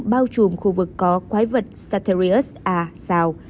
bao trùm khu vực có quái vật sateryus a sao